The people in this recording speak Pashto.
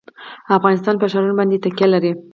افغانستان په ښارونه باندې تکیه لري.